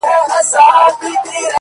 پېغور دی; جوړ دی; کلی دی له ډاره راوتلي;